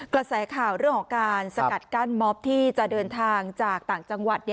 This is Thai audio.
กระแสข่าวเรื่องของการสกัดกั้นมอบที่จะเดินทางจากต่างจังหวัด